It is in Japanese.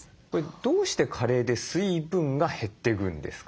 どうして加齢で水分が減っていくんですか？